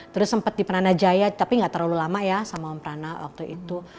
terus sempat di penana jaya tapi gak terlalu lama ya sama om prana waktu itu